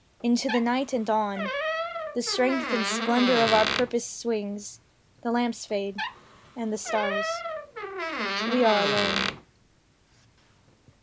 Into the night, and on, The strength and splendour of our purpose swings. The lamps fade; and the stars. We are alone.